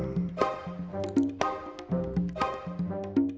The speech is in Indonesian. nggak ada hantu nenek nenek